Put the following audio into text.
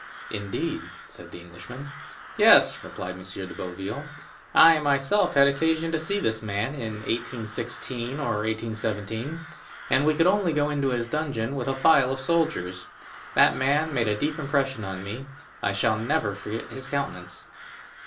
"Indeed!" said the Englishman. "Yes," replied M. de Boville; "I myself had occasion to see this man in 1816 or 1817, and we could only go into his dungeon with a file of soldiers. That man made a deep impression on me; I shall never forget his countenance!"